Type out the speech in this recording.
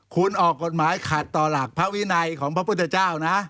คุณออกกฎหมายขัดต่อหลักพระวินัยของพระพุทธเจ้านะ